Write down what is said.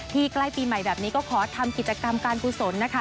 ที่ใกล้ปีใหม่แบบนี้ก็ขอทำกิจกรรมการภูสน